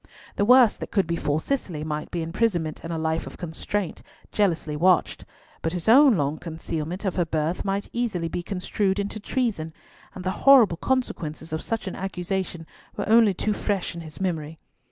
The worst that could befall Cicely might be imprisonment, and a life of constraint, jealously watched; but his own long concealment of her birth might easily be construed into treason, and the horrible consequences of such an accusation were only too fresh in his memory.